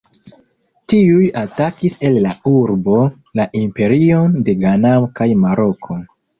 Tiuj atakis el la urbo la imperion de Ganao kaj Maroko.